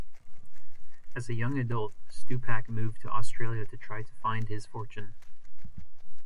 As a young adult, Stupak moved to Australia to try to find his fortune.